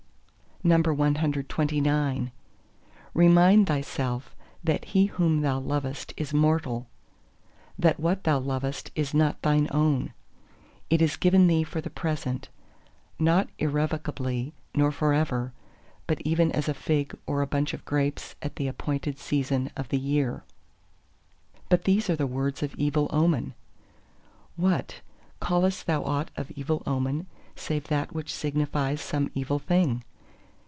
CXXX Remind thyself that he whom thou lovest is mortal—that what thou lovest is not thine own; it is given thee for the present, not irrevocably nor for ever, but even as a fig or a bunch of grapes at the appointed season of the year. ... "But these are words of evil omen.". .. What, callest thou aught of evil omen save that which signifies some evil thing?